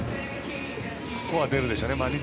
ここは出るでしょうね。